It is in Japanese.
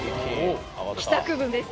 帰宅部です。